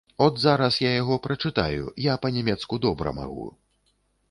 От зараз я яго прачытаю, я па-нямецку добра магу.